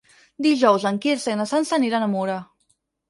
Dijous en Quirze i na Sança aniran a Mura.